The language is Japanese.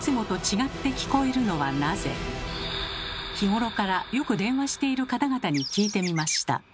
日頃からよく電話している方々に聞いてみました。